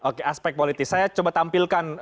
oke aspek politis saya coba tampilkan